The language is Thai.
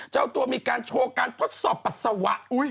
เจ้าตัวมีการโชว์การทดสอบปัสสาวะ